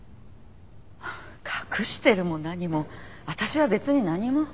隠してるも何も私は別に何も。